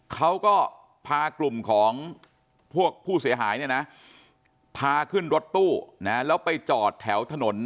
เขาก็พากลุ่มของพวกผู้เสียหายเนี่ยนะพาขึ้นรถตู้นะแล้วไปจอดแถวถนน